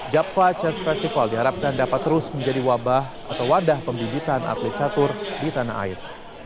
japva chest festival diharapkan dapat terus menjadi wabah atau wadah pembibitan atlet catur di tanah air